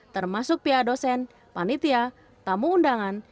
termasuk pihak dosen panitia tamu undangan